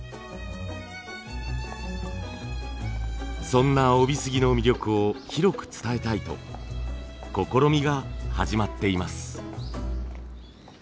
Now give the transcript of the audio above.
そんな飫肥杉の魅力を広く伝えたいと試みが始まっています。